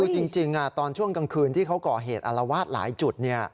คือจริงตอนช่วงกลางคืนที่เขาก่อเหตุอารวาสหลายจุด